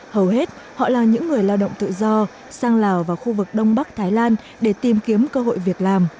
hầu hết họ là những người lao động tự do sang lào và khu vực đông bắc thái lan để tìm kiếm cơ hội việc làm